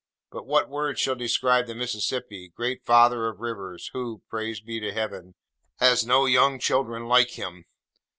But what words shall describe the Mississippi, great father of rivers, who (praise be to Heaven) has no young children like him!